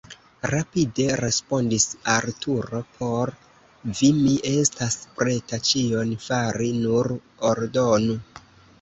rapide respondis Arturo: por vi mi estas preta ĉion fari, nur ordonu!